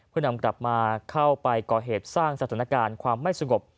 เพื่อนำกลับมาเข้าไปก่อเหตุสร้างสถานการณ์ความไม่สงบ